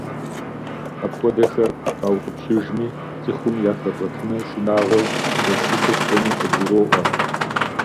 Апхуэдэхэр къаутӏыпщыжми, цӀыхум яхэбгъэтыныр шынагъуэу зэрыщытыр псоми къыдгуроӏуэр.